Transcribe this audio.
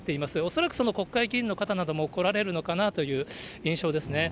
恐らく国会議員の方なども来られるのかなという印象ですね。